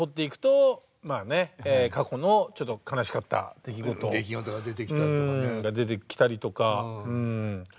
出来事が出てきたりとかね。